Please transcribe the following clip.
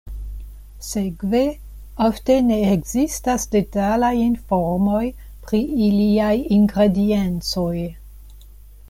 Sekve ofte ne ekzistas detalaj informoj pri iliaj ingrediencoj.